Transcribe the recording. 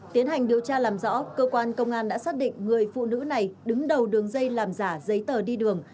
tiến hành điều tra làm rõ cơ quan công an đã xác định người phụ nữ này đứng đầu đường dây làm giả giấy tờ đi đường